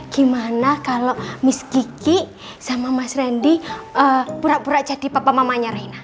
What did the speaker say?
gimana kalau miski sama mas randy pura pura jadi papa mamanya reina